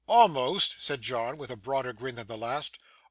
'A'most!' said John, with a broader grin than the last.